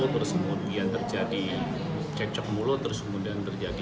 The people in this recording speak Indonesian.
terus kemudian ada yang memfoto terus kemudian terjadi